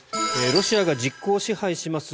ロシアが実効支配します